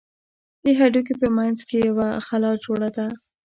د هډوکي په منځ کښې يوه خلا جوړه ده.